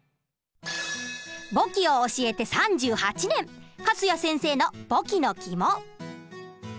簿記を教えて３８年粕谷先生の簿記のキモ。